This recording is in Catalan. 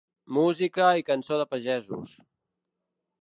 Música i cançó de pagesos.